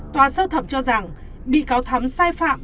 tòa sơ thẩm cho rằng bị cáo thắm sai phạm